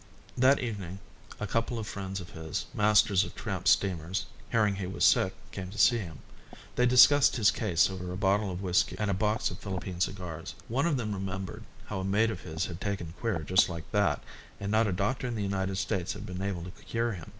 That evening a couple of friends of his, masters of tramp steamers, hearing he was sick came to see him. They discussed his case over a bottle of whisky and a box of Philippine cigars. One of them remembered how a mate of his had been taken queer just like that and not a doctor in the United States had been able to cure him.